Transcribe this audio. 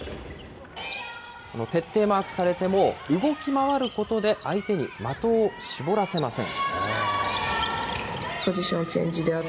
徹底マークされても動き回ることで相手に的を絞らせません。